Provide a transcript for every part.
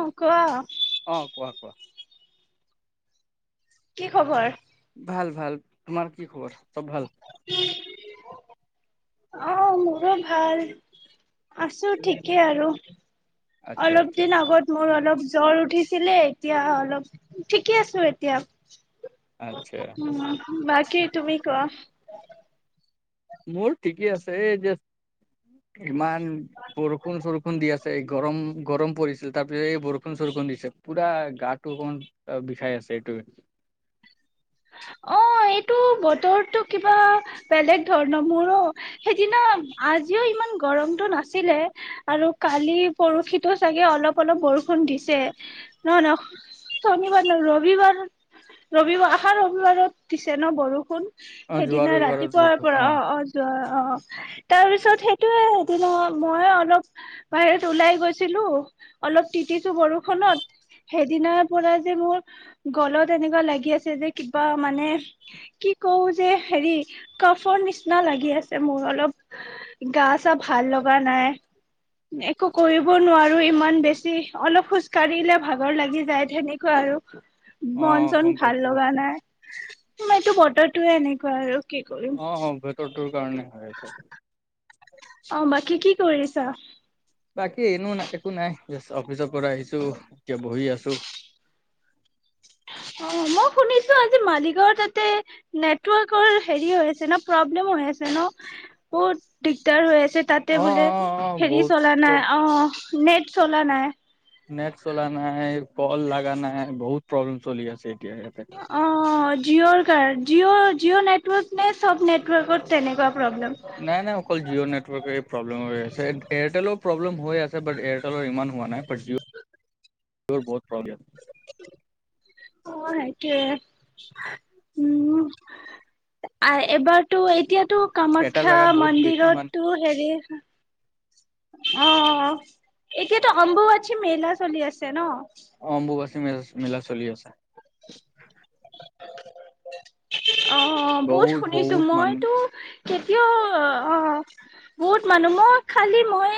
অ' কোৱা। অ' কোৱা, কোৱা। কি খবৰ? ভাল, ভাল। তোমাৰ কি খবৰ? চব ভাল। অ' মোৰো ভাল। আছো ঠিকেই আৰু। আচ্ছা অলপ আচ্ছা দিন আগত মোৰ অলপ জ্বৰ উঠিছিলে, এতিয়া অলপ ঠিকে আছো এতিয়া। আচ্ছা উম্ বাকী তুমি কোৱা? মোৰ ঠিকেই আছে, এই জাস্ট ইমান বৰষুণ- চৰষুণ দি আছে। এই গৰম, গৰম পৰিছিল, তাৰপিছত এই বৰষুণ- চৰষুণ দিছে। পোৰা গাটো অকমান বিষাই আছে এইটোৱে। অ' এইটো বতৰটো কিবা বেলেগ ধৰণৰ। মোৰো সেইদিনা আজিও ইমান গৰমতটো নাছিলে আৰু কালি পৰসিতো চাগে অলপ, অলপ বৰষুণ দিছে। নহ, নহ শনিবাৰ ন ৰবিবাৰ, ৰবিবাৰ আখাৰৰ ৰবিবাৰত দিছে ন বৰষুণ? অ যোৱা সেইদিনা ৰবিবাৰত ৰাতিপুৱাৰ বৰষুণ, পৰা অ', অ' যোৱা অ' তাৰ পিছত সেইটোয়ে, সেইদিনা মই অলপ বাহিৰত ওলাই গৈছিলো, অলপ তিতিছো বৰষুনত। সেইদিনাৰ পৰা যে মোৰ গলত এনেকুৱা লাগি আছে যে কিবা মানে, কি কওঁ যে হেৰি কফৰ নিচিনা লাগি আছে মোৰ অলপ, গা-চা ভাল লগা নাই, একো কৰিব নোৱাৰো আৰু ইমান বেছি, অলপ খোজ কাঢ়িলে ভাগৰ লাগি যায় হেনেকুৱা আৰু। অ মন-চন গম ভাল পাইছো লগা নাই। তোমাৰ এইটো, বতৰটোয়ে এনেকুৱা আৰু। কি কৰিম অ', অ' বতৰটো কাৰনে হয় আছে। অ', বাকী কি কৰিছা? বাকি এনো না একো নাই। জাষ্ট অফিচৰ পৰা আহিছো, এতিয়া বহি আছো। অ' মই শুনিছ ছো আজি মালিগাঁৱৰ তাতে। নেটৱৰ্কৰ হেৰি হৈ আছে ন, প্ৰব্লেম হৈ আছে ন? বহুত দিগদাৰ হৈ আছ ছে তাতে অ অ বোলে অ অ হেৰি বহুত চলা নাই, অ'। নে'ট চলা নাই। নেট চলা নাই ক'ল লাগা নাই, বহুত প্ৰব্লেম চলি আছে। [inaudible] অ জিঅ'ৰ কাৰণ, জিঅ' জিঅ' নেটৱৰ্ক নে চব নেটৱৰ্কত তেনেকুৱা প্ৰব্লেম। নাই নাই অকল জিঅ নেটৱৰ্ক এই প্ৰব্লেম হৈছে এয়াৰটেল প্ৰব্লেম হৈ আছে বাট এয়াৰটেলৰ ইমান হোৱা নাই বাট জিঅ', জিঅ'ৰ বহুত প্ৰব্লেম। অ সেইটোয়ে উম এবাৰতো এতিয়া টো এটা কামাখ্যা জাগাত বহুত বেছি মন্দিৰত মান টো হেৰি অ এতিয়াতো অম্বুৱাচী মেলা চলি আছে ন অ অম্বুবাচী মেলা চলি আছে অ বহুত শুনিছো বহুত মানুহ মইতো কেতিয়াও আহ বহুত মানুহ মই খালি মই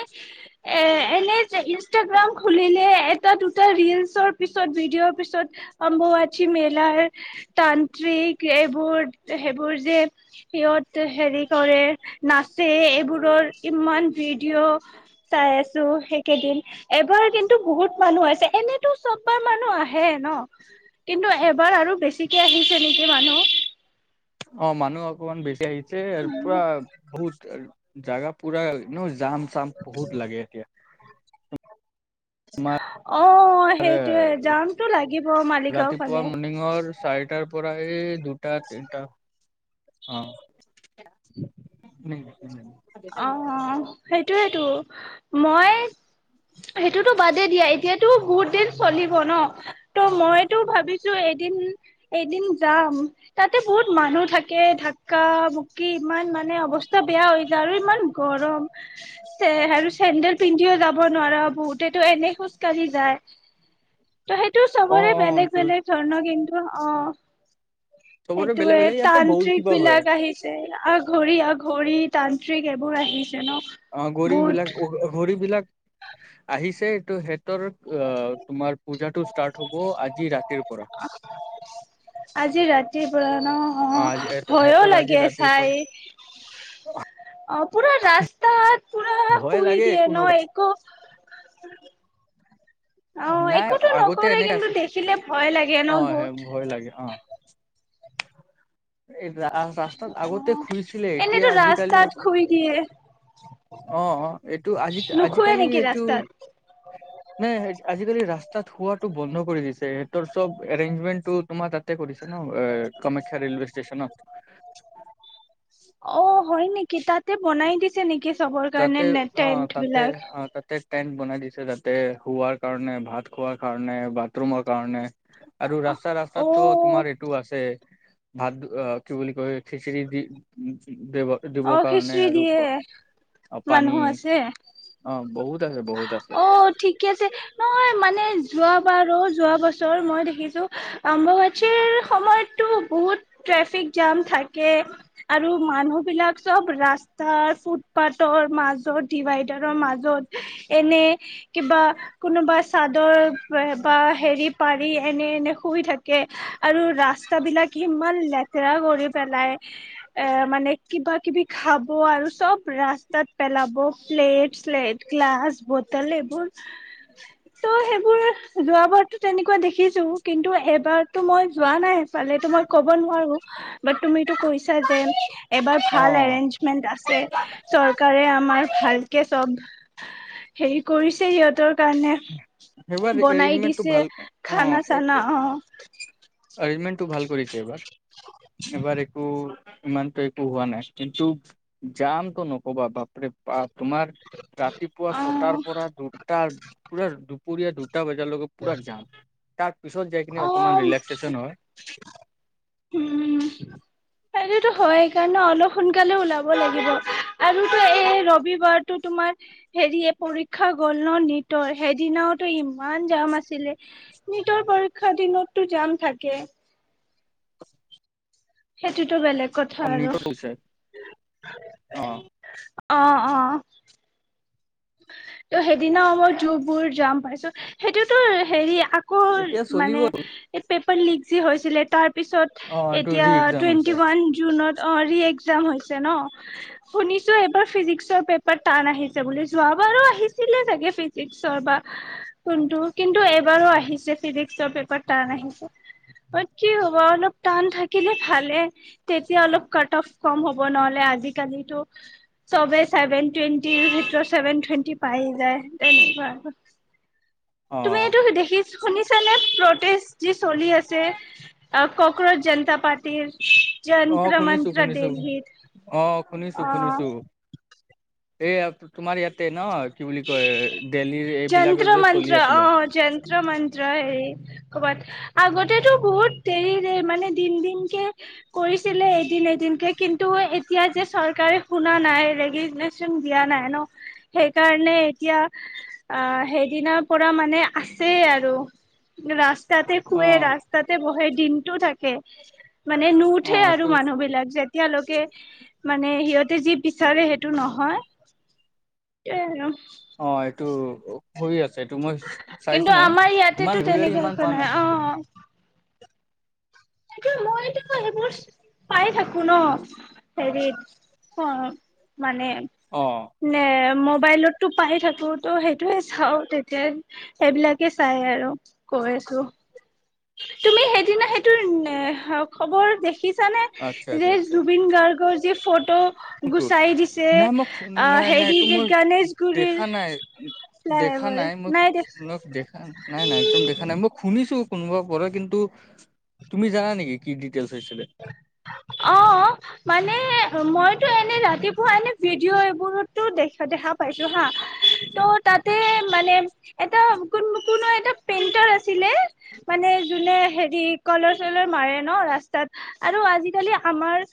এ এনে যে ইনষ্টাগ্ৰাম খুলিলে এটা দুটা ৰিলচৰ পিছত ভিডিঅ'ৰ পিছত অম্বুৱাচী মেলাৰ তান্ত্ৰিক এইবোৰ সেইবোৰ যে সিহঁত হেৰি কৰে নাচে এইবোৰৰ ইমান ভিডিঅ' চাই আছো সেইকেইদিন এইবাৰ কিন্তু বহুত মানুহ আছে এনেতো চববাৰ মানুহ আহে ন কিন্তু এবাৰ আৰু বেছিকে আহিছে নেকি মানুহ অ মানুহ অকমান বেছি হিছে পূৰা বহুত জাগা পুৰা ন জাম চাম বহুত লাগে এতিয়া তোমাৰ [inaudible] অ সেইটোয়ে জামতটো লাগিব মালিগাঁও ৰাতিপুৱা ফালে মৰ্ণিঙৰ চাৰিটাৰ পৰা এই দু টা তিনটা অ টো মই সেইটোতো বাদে দিয়া এতিয়াতো বহুত দিন চলিব ন ত মইতো ভাবিছো এদিন এদিন যাম তাতে বহুত মানুহ থাকে ধাক্কা মুকি ইমান মানে অৱস্থা বেয়া হৈ যায় আৰু ইমান গৰম আৰু চেন্দেল পিন্ধিও যাব নোৱাৰা বহুতেতো এনে খোজ কঢ়ি যায় ত সেইটো অ অ চবৰে বেলেগ এইটো বেলেগ ধৰণৰ কিন্তু অ চবৰে বেলেগ বেলেগ এইটোয়ে ইয়াতে বহুত তান্ত্ৰিক কিবা হয় বিলাক আহিছে অঘোৰি অঘোৰী তান্ত্ৰিক এইবোৰ আহি অ গৰি বিলাক অ হৰি বিলাক আহিছে টো সিহঁতৰ আহ তোমাৰ পূজাটো ষ্টাৰ্ট হব আজি ৰাতিৰ পৰা [unintelligible] অ অ আজি ভয়ো সিহঁতৰ আজি লাগে ৰাতিৰ চাই পৰা অ পুৰা ৰাস্তাত পুৰা ভয় শুই লাগে দিয়ে একো ন একো [inaudible] অ নাই একোতো আগতে নকৰে এনেকা কিন্তু আছে দেখিলে ভয় লাগে অ ন হে বহুত ভয় লাগে [inaudible] এই ৰা ৰাস্তাত অ আগতে শুইছিলে এতিয়া এনেতো আজিকালি ৰাস্তাত শুই দিয়ে অ এইটো আজি নুশুৱে আজিকালি নেকি এইটো ৰাস্তাত নে আজিকালি ৰাস্তাত খোৱাত টো বন্ধ কৰি দি সেতৰ চব এৰেঞ্জমেন্ত টো তোমাৰ তাতে কৰিছে ন কামাখ্যা ৰেলৱে ষ্ট ষ্টেচনত। অ হয় নেকি তাতে বনাই দিছে নেকি? চবৰ কাৰণে তাতে নে অ' টেন্ট তাতে বিলাক অ' তাতে টেণ্ট বনাই দিছে যাতে শোৱাৰ কাৰণে ভাত খোৱাৰ কাৰণে বাথৰুমৰ কাৰণে আৰু ৰাস্তা অ ৰাস্তাতটো তোমাৰ এইটো আছে ভাত অ', কি বুলি কয়, খিচিৰি দি দিব-দিব কাৰণে আৰু কোৱা। মানুহো আছে। অ', বহুত আছে বহুত আছে অ', ঠিকে আছে। নহয় মানে যোৱা [unintelligible] যোৱা বছৰ মই দেখিছো, অম্ববাচীৰ সময়তো বহুত ট্ৰেফিক জাম থাকে আৰু মানুহবিলাক চব ৰাস্তাৰ ফুটপাথৰ মাজত, ডিভাইডাৰৰ মাজত এনে কিবা, কোনোবা চাদৰ বা হেৰি পাৰি এনে এনে শুই থাকে আৰু ৰাস্তা বিলাক ইমান লে বেয়া কৰি পেলাই, এ, মানে কিবা কিবি খাব আৰু চব ৰাস্তাত পেলাব প্লেট-স্লেট গ্লাছ বটল এইবোৰ, ত' সেইবোৰ যোৱাবাৰতো তেনেকুৱা দেখিছো, কিন্তু এবাৰতো মই যোৱা নাই সেফালে, ত' মই ক'ব নোৱাৰো, বাট তুমিটো কৈছা [unintelligible] এবাৰ অ ভাল এৰেঞ্জমেন্ট আছে, চৰকাৰে আমাৰ ভালকে চব হেৰি কৰিছে সিহঁতৰ কাৰণে সেইবাৰ বনাই এৰেঞ্জমেন্টটো দিছে, ভাল খানা চানা আহ এৰেঞ্জমেণ্টটো ভাল কৰিছে এইবাৰ। এইবাৰ একো ইমানতো একো হোৱা নাই। কিন্তু যামটো নকবা বাপৰে-বাপ তোমাৰ, ৰাতিপুৱা ছটাৰ অ পৰা, দুটাৰ পুৰা পুৰিয়াটো টা বজাৰৈকে পুৰা জাম তাৰ পিছত যায় কিনে অ অকমান ৰিলেক্সেচন হয়। উম সেইটোতো হয় সেইকাৰণে অলপ সোনকালে ওলাব লাগিব আৰুটো এই ৰবিবাৰটো তোমাৰ হেৰিয় পৰীক্ষা গ'ল ন নিটৰ সেইদিনাওটো ইমান জাম আছিলে নিটৰ পৰীক্ষাৰ দিনতটো জাম থাকে। সেইটোতো বেলেগ কথা অ আৰু নিটৰ হৈছে অ অ', অ'। ত' সেইদিনা মই জুবোৰ জাম পাইছোঁ সেইটোতো হেৰি আক এতিয়া ক' চলিব মানে আৰু। এই পে লিক যি হৈছিলে তাৰ পিছত অ এইটো এতিয়া ৰি এক্জাম হৈছে টুৱেন্টি ৱান জুনত অ', ৰিএ জাম হৈছে ন' শুনিছোঁ এইবাৰ ফিজিক্সৰ পেপাৰ টান আহিছে বুলি। যোৱাবাৰো আহিছিলে চাগে ফিজিক্সৰ বা কোনটো কিন্তু এবাৰো আহিছে ফিজিক্সৰ পেপাৰ টান আহিছে, কি হ'ব অলপ টান থাকিলে ভালে তেতিয়া অলপ ক'ট অফ কম হ'ব নহ'লে আজিকালিটো চবে চছেভেন টুৱেণ্টিৰ ভিতৰত ছেভেন থুৱেন্টি পায়ে যায় তেনেকুৱা। অ তুমি এইটো দেখিছ, শুনিছানে প্ৰটেষ্ট যি চলি আছে কক্ৰজ জনতা পাৰ্টিৰ, আহ যন্ত্ৰ শুনিছো মন্ত্ৰ শুনিছো দেলহিত আহ শুনিছো শুনিছো। অ এই আ তোমাৰ ইয়াতে ন কি বুলি কয় দেল্লীৰ এইবিলাক যন্ত্ৰ যে চলি মন্ত্ৰ অ আছিলে যন্ত্ৰ মন্ত্ৰ হ ক'বাত আগতেতো বহুত দেৰি দেৰি মানে দিন দিনকে কৰিছিলে এদিন এদিনকে কিন্তু এতিয়া যে চৰকাৰে শুনা নাই ৰেগিগনেচন দিয়া নাই ন সেই কাৰণে এতিয়া অ সেইদিনাৰ পৰা মানে আছে আৰু ৰাস তাতে অ খুুৱে, ৰাস্তাতে বহে দিনটো থাকে। মানে অ নুঠে এইটো আৰু মানুহ বিলাক যেতিয়ালৈকে, মানে সিহঁতে যি বিচাৰে সেইটো নহয়। এ' অ এইটো হৈ আছে। সেইটো মই চাইছো কিন্তু মই আমাৰ ইমান ইয়াতেতো ৰে তেনেকে ইমান একো প নাই, অ তাকে মইতো সেইবোৰ পাই থাকো ন হেৰিত অ মানে অ নে ম মোবাইলতটো পাই থাকো ত' সেইটোয়ে চাও তেতিয়া সেইবিলাকে চাই আৰু কৈ আছো। তুমি সেইদিনা সেইটোৰ খবৰ দেখিছ। নে আচ্ছা যে জুবিন গাৰ্গৰ যি ফ ত কটোত নাই মই নাই নাই হেৰি তটো যে মই গণেশগুৰিৰ দেখা নাই ফ্লাই দেখা অভাৰ নাই মই দেখা দেখা নাই নাই একদম দেখা নাই মই শুনিছো কোনোবা। প কিন্তু তুমি জানা নেকি কি? ডিটেইলছ হৈছিলে অ মানে মই, ত এনে ৰাতিপুৱা এনে ভিডিঅ' এইবোৰতো দেখা দেখা পাইছো হা ত' তাতে মানে এটা কোন কোনো এটা পেইণ্টাৰ আছিলে মানে যোনে হেৰি কলৰ চলাৰ মাৰে ন ৰাস্তাত। আৰু আজিকালি আমাৰ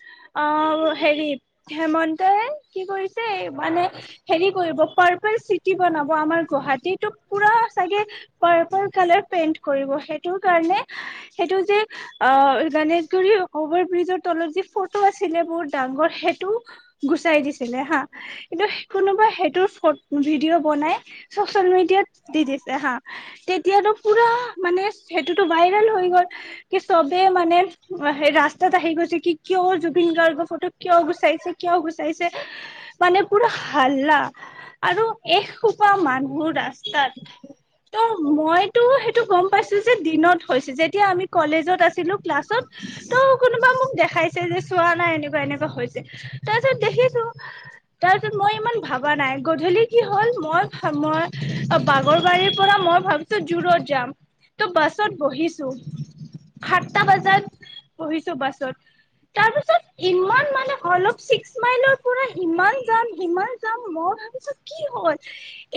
আহ হেৰি হেমন্তই কি কৰিছে, মানে হেৰি কৰিব। পাৰ্পল চিটি বনাব আমাৰ গুৱাহাটীোক পুৰা চাগে পাৰ্পল কালাৰ পেইণ্ট কৰিব সেইটো কাৰণে সেইটো যে অ মানে, অভাৰ বিজৰ তলত যি ফটো আছিলে বহুত ডাঙৰ সেইটো গুচাই দিছিলে হা কিন্তু কোনোবা সেইটোৰ ভিডিঅ' বনাই চচিয়েল মিডিয়াত দি দিছে হা তেতিয়াতো পুৰা মানে সেইটোতো ভাইৰেল হৈ গ'ল কি চবে মানে। সেই ৰাস্তাত আহি গৈছে কি কিয় জুবিন গাৰ্গৰ ফটো কিয় গুচাইছে কিয় গুচাইছে মানে পুৰা হাল্লা আৰু এ খোপা মানুহ ৰাস্তাত ত' মইতো সেইটো গম পাইছো যে দিনত হৈছে যেতিয়া আমি কলেজত আছিলো। ক্লাছত ত' কোনোবা মোক দেখাই যে চোৱা নাই এনেকুৱা এনেকুৱা হৈছে তাৰ পিছত দেখিছো তাৰপিছত মই ইমান ভবা নাই গধূলি কি হল মই মই বাগৰবাৰীৰ পৰা মই ভাবছো জোৰত যাম ত' বাছত বহিছো সাতটা বজাত পঢ়িছো বাছত তাৰপিছত ইমান মানে অলপ ছিক্স মাইলৰ পৰা ইমান যাম ইিমান যাম মই ভাবিছো কি হল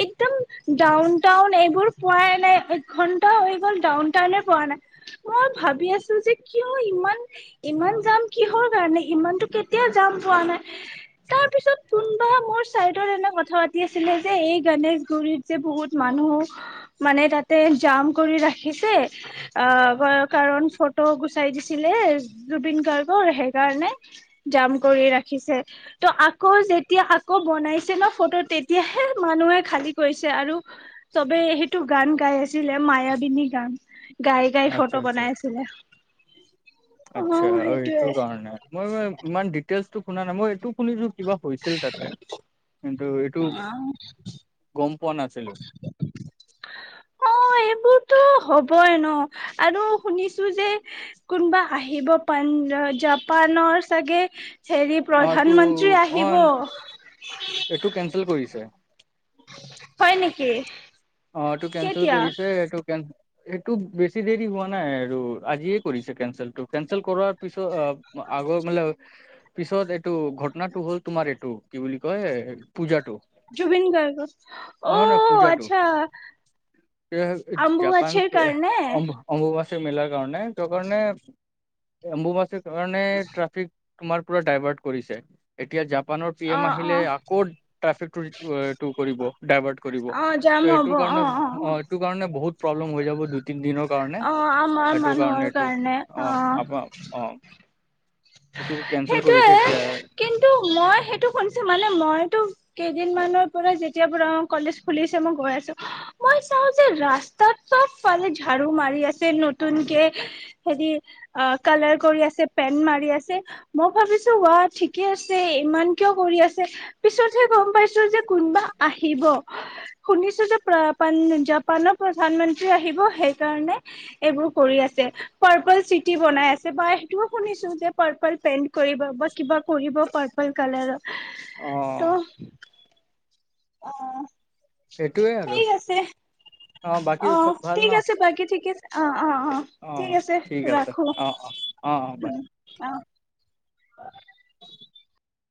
একদম ডাউন টাউন এইবোৰ পোৱাই নাই একঘন্টা হৈ গল ডাউন টাউনে প নাই মই ভাবি আছো যে, কিয় ইমান! ইমান যাম কিহৰ কাৰণে সিমানতো কেতিয়াও যাম পোৱা নাই, তাৰ পিছত কোনবা মোৰ চাইডৰ এনে কথা পাতি আছিলে যে এই গনেশগুৰিত যে বহুত মানুহ মানে তাতে জাম কৰি ৰাখিছে আহ ব কাৰণ ত' গুচাই দিছি [unintelligible] জুবিন গাৰ্গৰ কাৰণে, জাম কৰি ৰাখ খিছে। ত' আকৌ যেতিয়া আকৌ বনাইছে ন ফটো তেতিয়াহে মানুহে খালী কৰিছে আৰু, চবে সেইটো গান গাই আছিলে মায়াবিনী গান। গাই গাই আচ্ছা ফটো আচ্ছা বনাই আছিলে। আচ্ছা অ' এইটোৰ কাৰণে। মই মই ইমান ডিটেইলটো শুনা নাই মই এইটো শুনিছো কিবা হৈছিল তাতে, কিন্তু এইটো, অ গম পোৱা নাছিলো। অ' এইবোৰতো হ'বই ন আৰু শুনিছো যে কোনবা আহিব পান জাপানৰ চাগে হেৰি অ' প্ৰধান এটো মন্ত্ৰী আহিব অ' এইটো কেনচেল কৰিছ [unintelligible] হয় নেকি। অ' এইটো কেনচেল কেতিয়া কৰিছে এইটো কেন এইটো বেছি দেৰি হোৱা নাই আৰু আজিয়ে কৰিছে কেনচেলটো কেনচেল কৰাৰ পিছত এ আগৌ [unintelligible] পিছত এইটো ঘটনাটো হ'ল তোমাৰ এইটো কি বুলি কয় পূজাটো। জুবিন গাৰ্গৰ, নহয় নহয় অ' আচ্ছা [unintelligible] মেলাৰ আম্বুবাচীৰ কাৰণে কাৰণে [unintelligible] অম্বু বাচি সেইকাৰণে ট্ৰাফিক তোমাৰ পুৰা ডাইভাৰ্ট কৰিছে, এতিয়া জা জাপানৰ পি অ এম আহিলে অ আকৌ ট্ৰেফিক তোৰ সিটো এ টো কৰিব ডাইভাৰ্ট কৰিব। ত' এইটোৰ কাৰণে অ' এইটো কাৰণে বহুত প্ৰব্লেম হৈ যাব দুই তিন দিনৰ কাৰণে অ' আমাৰ সেইটো মানুহৰ এইটো কাৰণে অ'। অ এইটো কেনচেল কৰিছে সেইটোয়েই, এতিয়া কিন্তু মই সেইটো শুনিছো মানে মইতো কেই দিন মানৰ পৰা যেতিয়াৰ পৰা কলেজ খুলিছে মই গৈ আছো, মই চাওঁ যে ৰাস্তাত চব ফালে ঝাড়ু মাৰি আছে নতুন কে হেৰি কালাৰ কৰি আছে পেন্ট মাৰি আছ মই ভাবিছো ৱাহ ঠিকে আছে ইমান কিয় কৰি আছে পিছতহে গম পাইছো যে কোনোবা আহিব শুনিছো যে জাপানৰ প্ৰধান মন্ত্ৰী আহিব সেই কাৰনেে এইবোৰ কৰি আছে পাৰ্পল চিটি বনাই আছে বা ত শুনিছো যে পেন্ট কৰিব বা কিবা কৰিব পাৰ্পল কালাৰ। অ তো অহ সেইটোৱে আৰু। বাকী অ চব ভাল ঠিক ন আছে বাকি। ঠিক আছে অ। অ অ ঠিক আছে ঠিক আছে ৰাখো অ অ অ অ বাই অ। অ